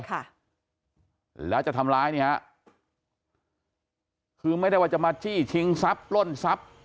ค่ะแล้วจะทำร้ายนี่ฮะคือไม่ได้ว่าจะมาจี้ชิงซับล่นซับ